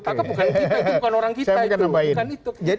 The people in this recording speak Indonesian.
tapi bukan kita itu bukan orang kita